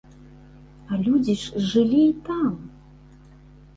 А людзі ж жылі і там!